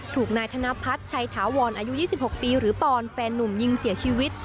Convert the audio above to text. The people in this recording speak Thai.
ถูกนายธนพัฒน์ชัยถาวรอายุ๒๖ปีหรือปอนแฟนนุ่มยิงเสียชีวิต